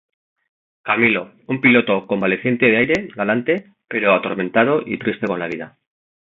Camilo, un piloto convaleciente de aire galante pero atormentado y triste con la vida.